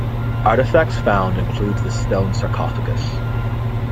Artefacts found included the stone sarcophagus.